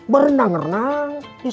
berendang rendang di suhu